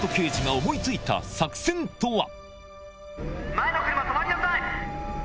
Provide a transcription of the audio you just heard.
前の車止まりなさい！